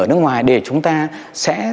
ở nước ngoài để chúng ta sẽ